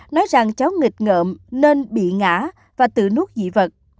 nói rằng cháu nghịch ngợm nên bị ngã và tự nuốt dị vật